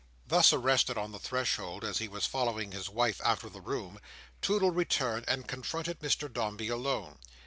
Thus arrested on the threshold as he was following his wife out of the room, Toodle returned and confronted Mr Dombey alone.